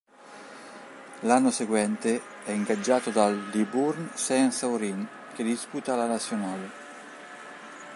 L'anno seguente è ingaggiato dal Libourne-Saint-Seurin che disputa la National.